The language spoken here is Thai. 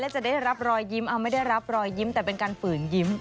จะได้รับรอยยิ้มเอาไม่ได้รับรอยยิ้มแต่เป็นการฝืนยิ้ม